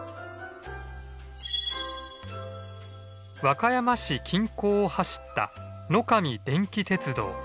和歌山市近郊を走った野上電気鉄道。